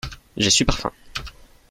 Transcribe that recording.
J'ai super faim.